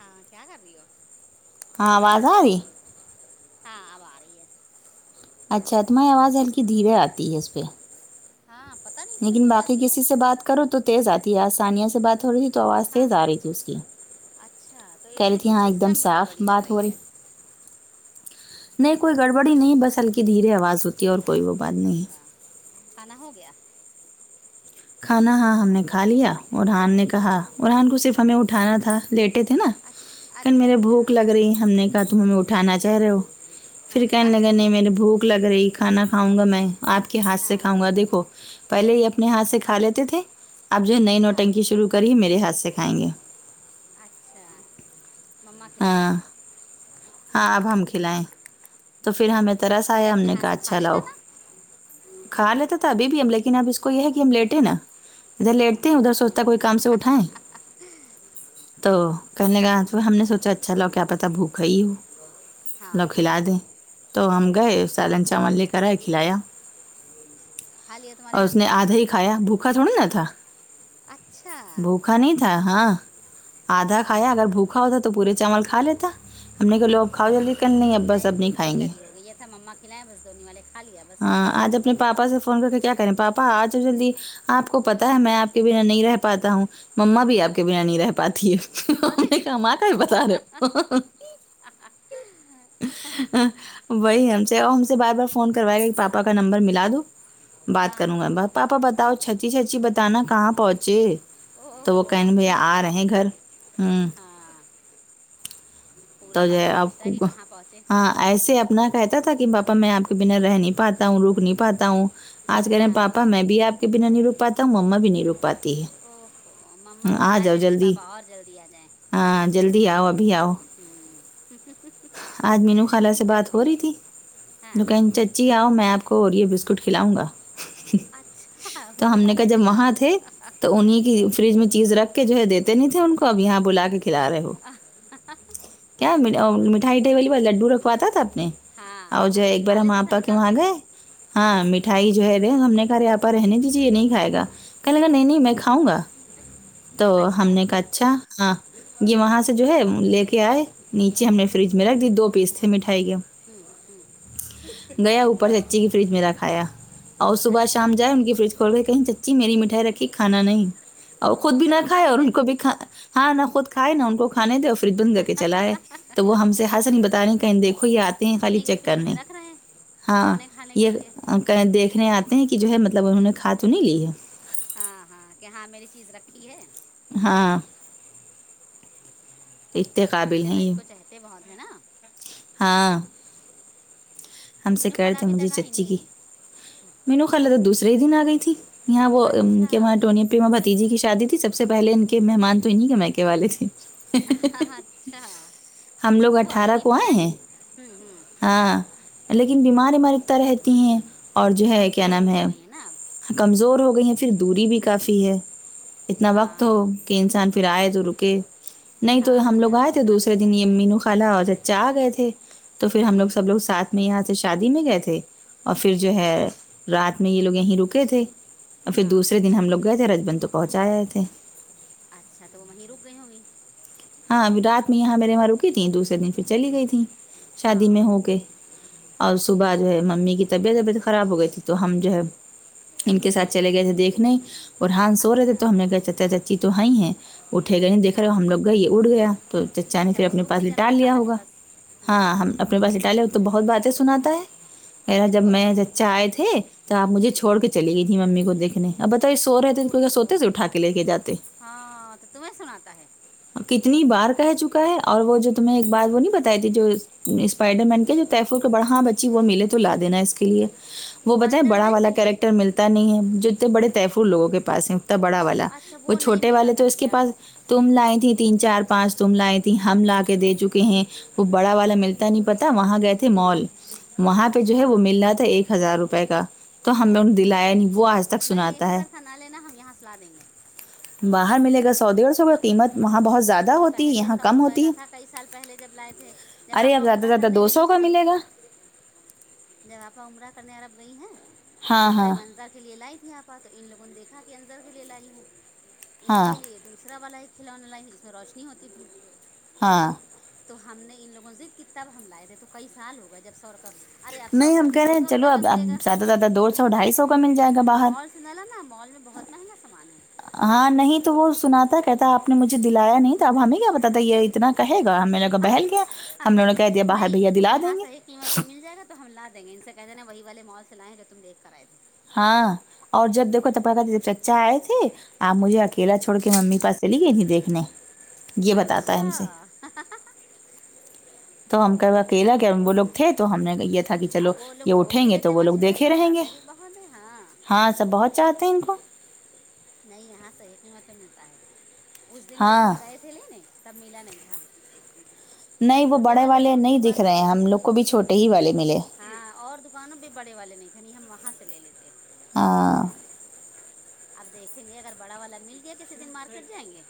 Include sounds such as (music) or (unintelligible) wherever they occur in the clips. ہاں کیا کر رہی ہو ہاں آواز آ رہی ہاں اب آ رہی ہے اچھا تمہاری آواز ہلکی دھیرے آتی ہے اس پہ ہاں پتہ نہیں اس میں لیکن کیوں باقی جاتی ہے کسی سے بات کرو تو تیز آتی ہے آج ثانیہ سے بات ہو رہی تھی تو آواز ہاں تیز آ رہی تھی اس کی اچھا تو اس کل میں کیا کچھ ایکدم سسٹم میں صاف گڑبڑی لگ بات ہو رہی ہے نہیں کوئی گڑبڑی نہیں بس ہلکی دھیرے آواز ہوتی ہے اور کوئی وہ بات نہیں ہے اچھا کھانا ہو گیا کھانا ہاں ہم نے کھا لیا ارحان نے کہا ارحان کو صرف ہاں ہمیں اٹھایا تھا لیٹ تھے نا کل اچھا میرے اچھا بھوک لگ رہی ہم نے تم ہمیں اٹھانا چاہ رہے ہو ہاں پھر ہاں کہنے لگے نہیں مینے بھوک لگ رہی کھانا کھاؤں گا میں آپ کے ہاتھ سے ہاں کھاؤ گا دیکھو پہلے ہی اپنے ہاتھ سے کھا کھا لیتے تھے آپ جو نئی ہاں نوٹنکی شروع کری میرے ہاتھ سے کھائیں گے اچھا مما کھلاے اب ہاں ہاں اب ہم کھلائیں تو پھر ہمیں طرس پہلے آیا ہم اپنے نے ہاتھ کہا سے کھا اچھا لیتا لاؤ تھا کھا لیتا تھا ابھی بھی ہم لیکن اب اس کو یہ ہے کہ ہم لیٹے نا ادھر لیٹتی ادھر سوچتا ہے کوئی کام سے اٹھاوں تو کہنےلگا ہم نے سوچا اچھا لاؤ کیا پتا بھوک ہوی ہو ہاں میں کھلا ہاں دو تو ہم گئے سالن چاول لے کر آئے کھلایا کھا لیا تمہارے اور ہاتھ اس نے سے آدھا ہی کھایا بھوکا تھوڑی نا تھا اچھا بھوکا نہیں تھا ہاں آدھا کھایا اگر ہاں بھوکا ہوتا تو تو پورے چاول کھا لیتا ہم نے کہا لو اب کھاؤ جلدی کل اب بس نہیں اب بھوک نہیں کھائیں گے لگی ہوگئی یا تو مما کھلائیں بس دو نوالے کھ ہاں آج اپنے پاپا سے فون کر کے کیا کریں پاپا آجاؤ جلدی آپ کو پتتا ہوں ہے میں بنا نہیں رہ پاتا ہوں مما بھی آب کے بنا نہی اوہو رہ پاتی ہے ہم ارے نے کہا ماں کا بتا رہے ہو وہی ہم سے اور ہم سے بار بار فون کر کروائے گا کہ پاپا کا نمبر ملا دو بات کروں ہاں گا پاپا بتاؤ سچی سچی بتانا کہاں پہنچے تو وہ کہن اوہو بھیا آ رہے ہیں گھر ہوں ہاں تو پورا جو پتہ آپ پوچھتا کو ہے کہ کہاں پہنچے ہاں ایسے اپنا کہتا تھا کہ پاپا میں آپ کے بنا رہ نہیں پاتا ہوں روک نہیں پاتا ہوں آج کرے پاپا ہاں میں بھی آپ کے بنا نہیں رک پاتا ہوں وہ مما بھی نہیں رک پاتی ہے اوف مما کو آ بتا جاؤ دینے کہ جلدی پاپا اور جلدی آ جائیں ہاں جلدی آؤ ابھی آؤ آج مینو خالہ سے بات ہو جلدی رہی آ جائیں ہاں تھیک جی آؤ میں آپ کو اور یہ بسکٹ کھلاؤں گا اچھا ان تو کو ہم نے کہا لالچ جب دلا وہاں تھے رہا تو انہیں کی فریج میں چیز رکھ کے جو ہے دیتے نہیں تھے ان کو اب یہاں بلا کے کھلا رہے ہو کیا مٹھائیٹھائی والی لڈو رکھواتا تھا آپ نے ہاں اور جو اپنے ایک بار کھا ہم لیتا تھا آپا کے نکال وہاں گئے ہاں مٹھائی جو ہے رے ہم نے کہا نہی آپا رہنے دیجیے یہ نہیں کھائے گا کہنے لگا نہیں نہیں میں کاؤں گا تو اچھا ہم نے کہا اچھا ہاں یہ وہاں سے جو ہے لے کے آئے نیچے ہم نے فریج میں رکھ دی دو پیس تھے مٹھائی کے ہوں ہوں گیا اوپر سے فریج مے رکھایا اور صبح شام اچھا جائے ان کی فریج کھولئے کہیں چچی میری مٹھائی رکھی کھانا نہیں اور خود ان بھی سے نہ بتا کھائے اور دے ان کو بھی نا ہاں نہ خود کھاے ںا ان کو کھان دے اور فریج بند کر کے چلاائے تو وہ ہم سے ہاس نہیں بتا رہے کہیں دیکھو یہ آتے ہیں خالی انہیں کی چیک فریج کرنے میں رکھ رہے ہیں ہاں اپنے کھانے کے یہ لیے دیکھنے آتے ہیں کہ جو ہے مطلب انہوں نے کھا تو نہیں لی ہے ہاں ہاں کہ ہاں میری چیز رکھی ہے ہاں اتنے سب قابل ماشاء اللہ ہیں ان یہ کو چتے بہت ہے نا ہاں ہم سے مینو کہر خالہ تھے ابھی مجھے تک آئی چچی نہیں کی آئی مینو خال تو دوسرے ہی دن آ گئی تھی یہاں وہ ان کے وہاں اچھا ٹنی پیما بتیجی کی شادی تھی سب سے پہلے ان کے مہمان تو ان ہی کے مائیکے والے تھے ہاں اچھا ہم لوگ وہ آئیں اٹھارہ گی کو پھر آئے آئیں ہیں گی ہوں ہاں ہ لیکن بیماریاں اتنا رہتی ہیں اور جو ہے کیا کمزور نام بھی ہے ہو گئی ہیں نا اب کمزور ہو گئی ہیں پھر دوری بھی ہوں کافی ہے اتنا وقت ہو ہاں کہ انسان پھر آئے تو رکے نہیں تو ہاں ہم لوگ یا تو آئے تھے اکرم کے دوسرے دن ساتھ یہ آئیں امی ن کلا اور چچا آ گئے تھے تو پھر ہم لوگ ہوں سب لوگ ساتھ میں یہاں سے شادی میں گئے تھے اور پھر جو ہے ہاں رات میں یہ لوگ یہیں رکے تھے اور پھر ہاں دوسرے دن ہم لوگ گئے تھے رج بندت پہنچا آے تھے اچھا تو وہ وہیں رک گئی ہوں گی ہاں رات میں یہاں میرے وہاں رکی تیں دوسرے دن پھر چلی گئی تھی شادی میں ہاں ہو کے اور صبح جو ہے ممی کی طبیعت وبیعت خراب ہو گئی تھی تو ہم جو ہے ان کے ساتھ چلے گئے تھے دیکھنے اور ہاں سو رہے تھے اچھا تو ہم نے کہ چچا چاچی تو ہ ہی ہے اٹھ گئے نہیں دیک رہے ہو ہاں ہم لوگ گئی اڑ گیا تو چچا نے اچھا پھر وہ اپنے رک پاس بھی جاتا ہے لٹال لیا خالہ کے ہوگا پاس ہوں ہاں ہم اپنے پاس رکھا لیے تو بہت باتیں سناتا ہے ا کس جب کو میں چچ چچا آئے تھے تو آپ مجھے ہوں چھوڑ کے چلی گئی تھی ممی کو دیکھنے اب بتائیے سو رہے تو ان او کو سوتے ہو سے اٹھا کے لے کے جاتے ہاں تو تمہیں سناتا ہے کتنی بار کہہ چکا ہے اور وہ جو تمہیں ایک بار وہ نہیں بتائی تھی جو اسپائڈر مین کے جو طیفور کے بڑھا بچی وہ ملے تو لا دینا ہے اس کے لیے وہ بتیں اسپائڈر بڑا مین والا چاہیے کیریکٹر ملتا نہیں ہے جتنے بڑے تحفور لوگوں کے پاس ہیں بڑا والا اچھا وہ نہیں چھوٹے ملا والے تھا تو اس کے بیٹیا پاس تم لائیں تھی تین چار پانچ تم لائے تھی ہم لا کے دے چوکے ہیں وہ بڑا والا ملتا نہیں پتا وہاں گئے تھے مال وہاں پہ جو ہے اچھا وہ مل رہا تھا ایک ہزار روپئے کا تو ہوں ہمیں انہیں دلایا نہیں وہ آج تک سناتا ہے لالینا ہم یہاں سلا دیں گے باہر ملے گا سو دیڑھ سو کا قیمت وہاں بہت زیادہ ہوتی ہے پہلے یہاں سو کم روپے ہوتی کا ہے تھا کئی سال پہلے جب لائے تھے جب ارے اب آپا زیادہ سے عمرہ زیادہ کرنے دو گئی سو کا ہیں ملے گا جب آپا عمرہ کرنے عرب گئی ہیں ہاں اس ہاں ٹائم انذر لے لائی تھی آپا تو ان لوگووں نے دیکھا کہ انذر کے لے لائی ہیں ان ہاں کے لیے دوسرا والا ایک کھلونے لائ جس میں روشنی ہوتی تھی ہاں تو ہم نے ان لوگوں ضد کی تب ہم لائے تھے تو کئی سال ہو گئے جب سو رقم ارے آٹھ سو نہیں کے ہم بجائے کہہ رہے دو ہیں سو چلو روپئے کا اب اب ملے گا زیادہ سے زیادہ دو سو ڈھائی سو کا مل جائے گا باہر نہیں لانا مال میں بہت مہنگا سامان ہے ہاں نہیں تو وہ سناتا کہتا آپ نے مجھے دلایا نہیں تو اب ہمیں کیا پتا یہ اتنا کہے گا ہمیں لگ کا بہل گیا ہم لوگوں کا کہہ دیا باہر بھیا دلا دیں گے وہاں پہ مل جایگا تو لا دیں گے ان سے کہ دینا وہی والے مال سے لا ئے جو تم دیکھ کر آئے ہاں اور جب دیکھو تب چچا آئے تھے آپ مجھے اکیلا چھوڑ کے ممی پاس چلی گئی تھی دیکھنے یہ بتاتا ہے اچھا ہم سے تو ہم کہ اکیلا کہ وہ لوگ تھے تو ہم نے گئی تھے کہ چلو اب وہ لوگ یہ روک اٹھیں بھی گے لیتے تو ہیں وہ لوگ ماشاء اللہ دیکھے سب رہیں گے چاہتے بھی بہت ہیں ہاں ہاں سب بہت چاہتے ہیں ان کو نہیں یہاں صحیح قیمت میں ملتا ہے اس دن جب ہم ہاں گئے تھے لےنے تب ملا نہیں تھا نہیں تب وہ چھوٹے بڑے تھے والے ان نہیں کے دکھ پاس رہے ہیں ہم لوگ کو بھی چھوٹے ہی والے ملے ہاں اور دکانوں بھی بڑے والے نہیں تھے نہیں ہم وہاں سے لے لیتے ہاں اب دیکھیں گے اگر بڑا والا مل گیا کسی دن مارکیٹ جائیں گے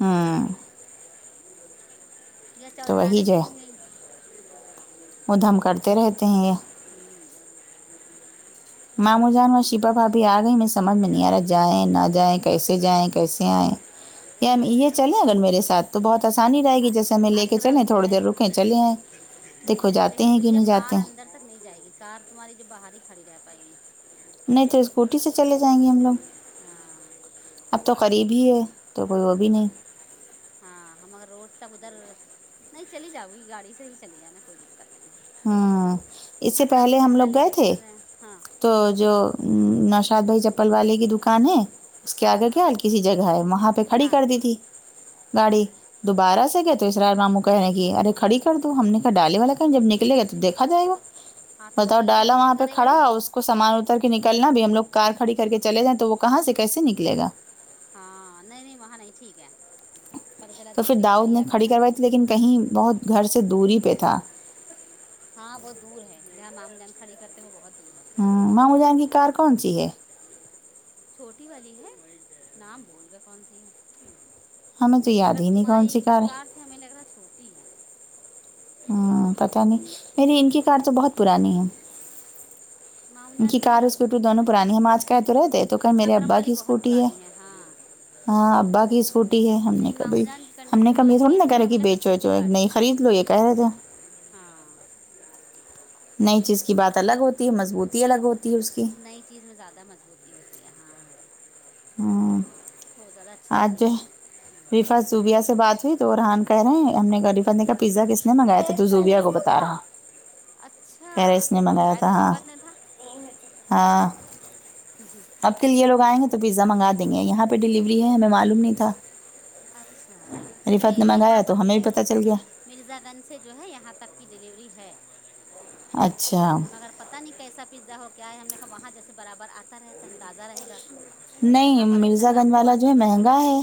ہاں یا تو وہی چودرانند جو دیکھیں گے ہے وہ دھم کرتے رہتے ہیں یہ ہممم ماموں جان اور شیپا بھابی آ گئی مس (unintelligible) جائیں کیسے آئیں یا یہ چلیں اگر میرے ساتھ تو بہت آسانی رہے گی جیسے ہمیں لے کے اکرم چلیں تھوڑی دیر جائے رکیں چلے آئیں دیکھو جاتے لیکن ہیں کہ بٹیا نہیں جاتے کار ہیں اندر تک نہیں جائے گی کار تمہاری جو باہر ہی کھڑی رہ پائ گی نہیں تو اسکوٹی سے چلے جائیں گے ہم لوگ ہاں اب تو قریب ہی ہے تو کوئی وہ بھی نہیں ہاھمگر روڈ تک ادھر ات نہیں ہی چلی جاؤ گی گاڑی سے ہی چلی جانا کوئی دقت نہیں ہے۔ ہ اس سے اکرم پہلے ہم کہنا لوگ لے گئے کے تھے چلا جائیں ہاں تو جو نشاد بھائی چپل والے کی دکان ہے اس کے ہاں آگے ہاں کیا ہلکی سی جگہ ہے وہاں پہ کھڑی ہاں کر دی تھی گاڑی دوبارہ سے گئے تو اسرار ماموں کہنے کہ ارے کڑی کر دوں ہم نے کہ ڈالے والا کہ جب لے گا تو دیکھا جائے گا ہاں تو وہ بتاؤ ٹی ٹی ڈالا ٹی ٹی وہاں پہ کرے گا کھڑا نہیں اس کو سامان اتر کے نکلنا بھی ہم لوگ کار کھڑی کر کے چلے جائیں تو وہ کہاں سے کیسے نکلے گا ہاں نہیں نہیں وہاں نہیں ٹھیک ہے پتہ چلا تو پھر دوسری داؤود گاڑی نے آ کے کھڑی کروائی ہو تھی جائے لیکن کہیں بہت گھر سے دوری پہ تھا ہاں وہ دور ہے جہاں آم جان کھڑی کرتے ہو بہت دور ہے ہوں مام کو جائیں گی کار کون سی ہے چھوٹی والی ہے نام بھول گیا کون سی ہمیں تو مگر یاد ہی نہیں کون سی تمہاری ہے کار سے ہمیں لگ رہا ہے چھوٹی ہے ہاں پتاہ نہیں میری ان کی کار تو بہت پرانی ہے ماموں ان کی جان کار اور اسکوٹی دونوں پرانی ہے ہم آج کہ تو رہتے تو کہ میرے اکرم ابا والی کی بہت اسکوٹی ہے پرانی ہاں ہاں ابا کی اسکوٹی ہے ہم نے نہیں ماموں کبھی جان کی ہم نے کنڈیشن تو کبھی اچھی تھوڑی ہے نا لیکن کرے ہمیں کہ لگتا ہے بیچوچ چھوٹی گاڑی نئی ہے خرید لو ایک کہہ رہا تھا ہاں نئی چیز کی بات الگ ہوتی ہے مضبوطی الگ ہوتی ہے اس کی نئی چیز میں زیادہ مضبوی ہوتی ہے ہاں ہاں ہاں بہت زیادہ اچھی رہتی ہیں ریفا زوبیا سے بات ہوئی تو ارحان کہہ رہے ہیں ہم نے ریفات نے کہا پزا کس نے منگایا تھا تو زبیا کو بتا تارہ اچھا بنگائے تریفت نہیں تھا ہاں اب کے لی یہ لوگ آئیں گے تو پیزا منگا دیں گے یہاں پہ ڈیلیوری ہے ہمیں معلوم نہیں تھا اچھا رفعت نے نہیں یہاں منگایا پر تو بھی ہمیں ہے پتہ چل گیا مرزا گنج سے جو ہے یہاں تک کی ڈیلیوری ہے اچھا پتاہ نہیں کیسا پتزا ہو کیا ہے ہم نے کہا وہاں جیسے برابر آتا رہتا ہے تازہ رہے گا تو نہیں یہاں پر ایسا مرزا نہ گنج ہو والا جو ہے باسی بنا مہنگا ہو ہے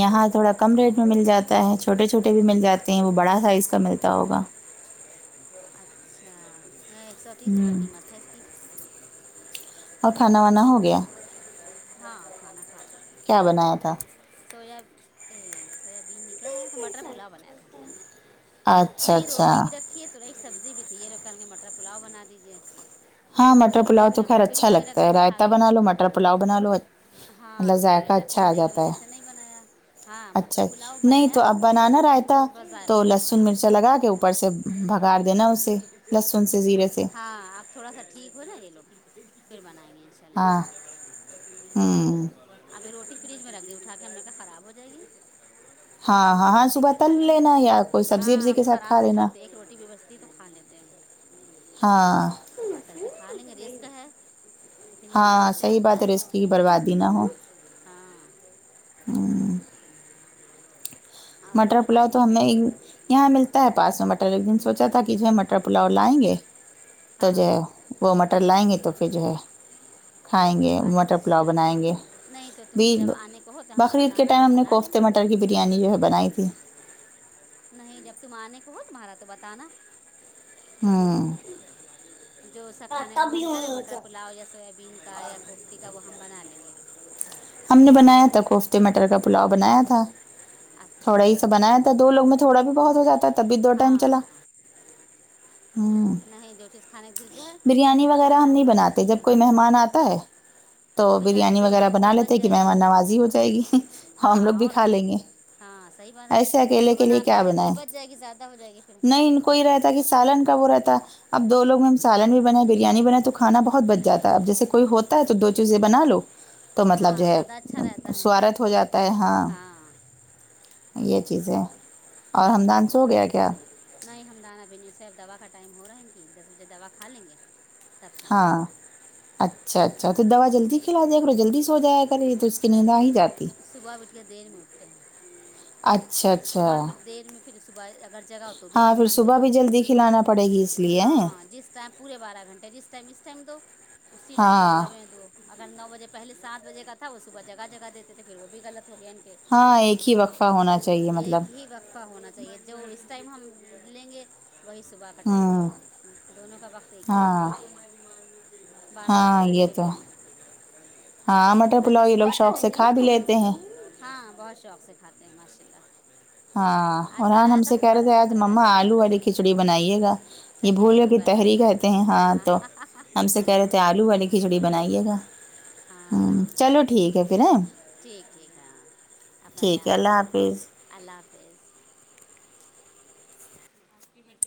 یہاں تھوڑا کم ریٹ میں مل جاتا ہے چھوٹے چھوٹے بھی مل ہو جاتے ہیں وہ بڑا سائز کا ملتا ہوگا (unintelligible) اچھا ایک سو تیس روپے ہوں قیمت ہے اس کی اور کھانا وانا ہو گیا ہاں کھانا کھاتے ہیں کیا بنایا تھا سویا سویابین نکیہ بنےیا تھا مٹر پولا بنےیا تھا اچھا نہیں اچھا روٹی بھی رکھیے توا ایک سبزی بھی تھی یہ ر کل کے مٹر پلاؤ بنا دیجئے ہاں تو وہ مٹر روٹی پلاؤ پھر تو ہم خیر نے اچھا فریج میں رکھ لگتا دی ہے اٹھا رائتا کے بنا لو مٹر پلاؤ بنا لو ہاں مطلب تو ذائقہ رائےتا اچھا آ ٹھنڈے کی جاتا ہے وجہ سے نہیں بنایا ہاں مٹر اچھا پلاؤ نہیں بنایا تو اب بنانا رائتا بس تو ذائقے دار لہسن بنا مرچ لگا کے اوپر سے بھگاار دینا اسے لہسن سے زیرے سے ہاں آپ تھوڑا سا ٹھیک ہو نا یہ لوگ پھر بنائیں گے ان شاء ہاں اللہ ہوں ابھی روٹی فریج میں رکھ دی اٹھا کے ہم نے کہ خراب ہو جائے گی کونا ہاں کرتے (unintelligible) ہم ہاں صبح ہاں سک کے تل کھا لیں گے لینا یا کوئی سبزی ہاں وبزی ہم کے ساتھ کھا خراب نہیں لینا کرتے ایک روٹی بھی بچی تو کھا لیتے ہیں ہ ہاں صبح تل کے کھا لیں گے رزق ہے اتنی ہاں محنت سے صحیح آتا بات ہے رزق کی ہے نہیں بربادی نہ ہو ہاں اور مٹر اکرم پلاؤ آئے تو نہیں ابھی ہمیں یہاں ملتا ہے پاس میں مٹر ایک دن سوچا تھا کہ جو ہے مر مٹر پلاؤ لائیں گے تو جو ہاں ہے وہ مٹر لائیں گے تو پھر جو ہے کھائیں گے مٹر پلاؤ اچھا بنائیں گے نہیں تو تم بی جب آنے کو ہو تو ہمیں بقرعید کے بتانا ٹائم ہم نے بنا لیں کوفتے گے مٹر کی بریانی جو ہے بنائی تھی نہیں جب تم آنے کو ہو تمہارا تو بتانا ہوں جو سا کھانے کا من کرے مٹر پلاؤ جیسا بین کا یا کوفتی کا وہ ہم بنا لیں گے ہم نے بنایا تھا کوفتے مٹر کا ہاں پلاؤ بنایا تھا تھوڑا اچھا ہی سا بنایا تھا دو لوگ میں تھوڑا بھی بہت ہو جاتا ہے تب بھی دو ہاں ٹائم ہاں چلا ہ نہیں جو چیز کھانے کی دل ہے تو بریانی وغیرہ ہم بتانا نہیں بنا بناتے لیں جب گے کوئی مہمان آتا ہاں ہے تو بریانی دو وغیرہ لوگوں میں بنا پھر بچ لیتے کہ جائے گی مہمان نوازی ہو جائے گی ہم لوگ ہاں بھی اور کھا کیا لیں گے ہاں سہی بات ہے ایسے اکیلے کے اپن لیے کیا اکیلے کی لی بنائیں بچ جائے گی زیادہ ہو جائے گی پھر نہیں ان رہتا کہ سالن کا وہ رہتا اب دو لوگ میں سالن بھی بن بریانی بنائے تو کھانا بہت بچ جاتا ہے اب جیسے کوئی ہوتا ہے تو دو چیزیں بنا لو تو مطلب ہاں جو ہے زیادہ اچھا رہتا ہے سوارت ہو جاتا ہے ہاں یہ چیزیں اور ہممدان سو گیا کیا نہیں ہم دان ابھی سوے اب دوا کا ٹائم ہو رہا ہے کہ دس بجے دوا کھا لیں گے تب سوئیں گے ہاں اچھا اچھا تو دوا جلدی کھلا دیا کرو جلدی سو جائے کر نہیں پھر صبح اٹھ کے دیر میں اٹھتے ہیں اچھا صبح اچھا پھر دیر میں پھر صبح اگر جگا ہو تو بھی ہاں پھر نقصان دہ صبح بھی جلدی ہے کھلانا پڑے گی اس لیے ہیں۔ ہاں جس اس ٹائم پورے بارہ گھنٹے جس ٹائم اسس ٹائم دو اسی ٹائم ہاں صبح میں دو اگر نو بجے پہلے سات بجے کا تھا وہ صبح جگہ جگہ دیتے تھے پھر وہ بھی غلط ہو گیا ہاں ایک ہی وقفہ ہونا چاہیے مطلب ایک ہی وقفہ ہونا چاہے چاہیے جو اس ٹائم ہم لیں گے وہی صبح کا کٹائیں گے ہوں دونوں دونوں کا وقت ایک ہی ہاں ہونا چاہیے بارہ بارہ ہاں یہ گھنٹے تو پہ نہیںن ک ل ک (unintelligible) ہاں مٹر اچھا پلاؤ یہ لوگ صبح شوق چاہیں سے کھا جتنی بھی دیر میں لیتے ہیں اٹھیں ہاں بہت شوق سے کھاتے ہیں ماشاء اللہ ہاں آج قرحان بنایا ہم تھا سے خوب کہہ رہے تھے فرارا آج فرارا مما اچھا آلو بنا تھا والی کھچڑی بنائیے گا یہ تحری بھولو کو کہ کہہ رہا تحری تھا کہتے ہیں ہاں تو ہم سے کہہ ہاں رہے تھے آلو والی کھچڑی بنائیے گا ہوں ہاں چلو ٹھیک ہے پھر ہ ٹھیک ٹھیک ہاں اپنا ہے دھیان اللہ رکھنا حافظ اللہ حافظ